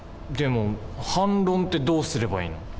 でも反論ってどうすればいいの？